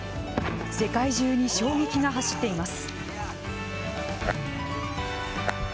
世界中に衝撃が走っています。